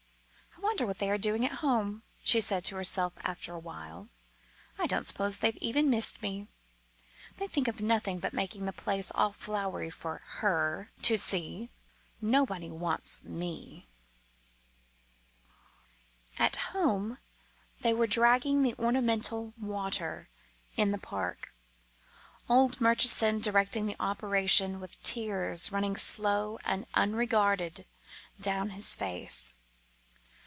"I wonder what they are doing at home?" she said to herself after a while. "I don't suppose they've even missed me. They think of nothing but making the place all flowery for her to see. Nobody wants me " At home they were dragging the ornamental water in the park; old Murchison directing the operation with tears running slow and unregarded down his face.